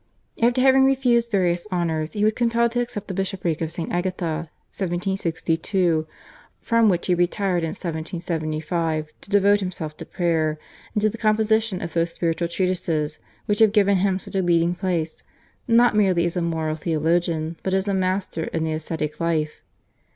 After having refused various honours he was compelled to accept the Bishopric of St. Agatha (1762) from which he retired in 1775 to devote himself to prayer, and to the composition of those spiritual treatises that have given him such a leading place not merely as a moral theologian but as a master in the ascetic life.